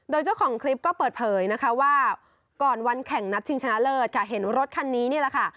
โดยเจ้าของคลิปก็เปิดเผยนะคะว่าก่อนวันแข่งนัดชิงชนะเลิศค่ะเห็นรถคันนี้นี่แหละค่ะ